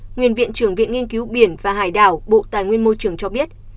nguyên viện trưởng viện nghiên cứu biển và hải đảo bộ tài nguyên môi trường cho biết